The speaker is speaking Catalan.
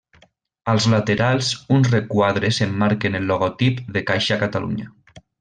Als laterals uns requadres emmarquen el logotip de Caixa Catalunya.